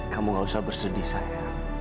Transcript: kamu gak usah bersedih saya